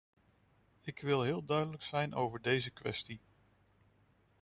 Ik wil heel duidelijk zijn over deze kwestie.